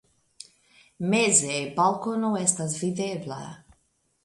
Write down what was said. Meze balkono estas videbla.